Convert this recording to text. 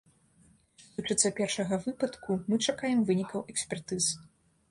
Што тычыцца першага выпадку, мы чакаем вынікаў экспертыз.